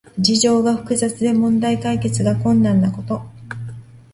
事情が複雑で問題解決が困難なこと。